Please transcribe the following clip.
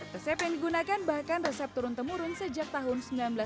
resep yang digunakan bahkan resep turun temurun sejak tahun seribu sembilan ratus sembilan puluh